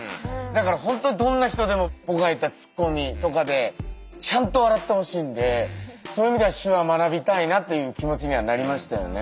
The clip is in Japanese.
だから本当どんな人でも僕が言ったツッコミとかでちゃんと笑ってほしいんでそういう意味では手話学びたいなという気持ちにはなりましたよね。